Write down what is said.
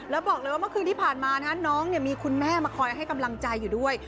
แล้วบอกเลยว่าเมื่อคืนที่ผ่านมาน้องมีคุณแม่มาคอยให้กำลังใจอยู่ด้วย